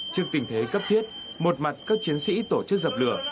trước tình thế cấp thiết một mặt các chiến sĩ tổ chức dập lửa